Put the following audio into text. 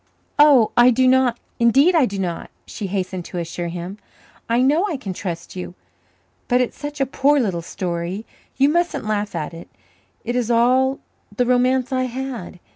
"Oh, I do not, indeed I do not," she hastened to assure me. "I know I can trust you. But it's such a poor little story. You mustn't laugh at it it is all the romance I had.